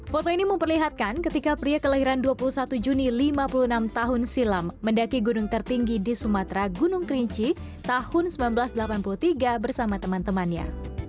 foto ini memperlihatkan ketika pria kelahiran dua puluh satu juni lima puluh enam tahun silam mendaki gunung tertinggi di sumatera gunung kerinci tahun seribu sembilan ratus delapan puluh tiga bersama teman temannya